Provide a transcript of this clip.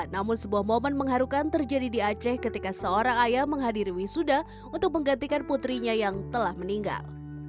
namun sebuah momen mengharukan terjadi di aceh ketika seorang ayah menghadiri wisuda untuk menggantikan putrinya yang telah meninggal